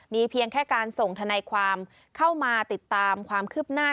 มีเพียงแค่การส่งทนายความเข้ามาติดตามความคืบหน้า